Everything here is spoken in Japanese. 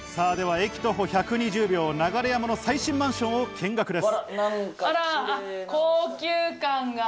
駅徒歩１２０秒の流山の最新マンションを見学です。